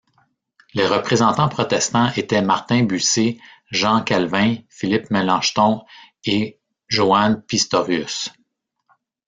Les représentants protestants étaient Martin Bucer, Jean Calvin, Philippe Mélanchthon et Johannes Pistorius.